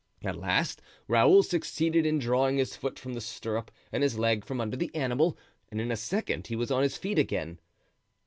At last Raoul succeeded in drawing his foot from the stirrup and his leg from under the animal, and in a second he was on his feet again.